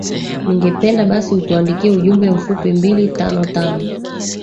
ningependa basi utuandikie ujumbe mfupi mbili tano tano